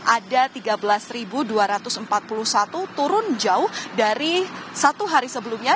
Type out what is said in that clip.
ada tiga belas dua ratus empat puluh satu turun jauh dari satu hari sebelumnya